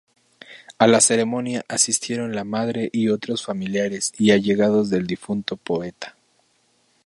A la ceremonia asistieron la madre y otros familiares y allegados del difunto poeta.